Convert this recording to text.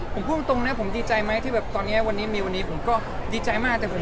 ผมพูดตรงนะผมดีใจมั้ยแบบวตอนนี้มีวันนี้ผมก็ดีใจมาก